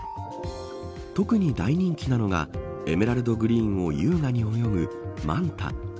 特に大人気なのがエメラルドグリーンを優雅に泳ぐマンタ。